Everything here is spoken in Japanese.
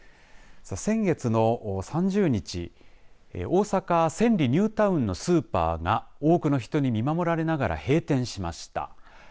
先月の３０日大阪千里ニュータウンのスーパーが多くの人に見守られながら閉店しました。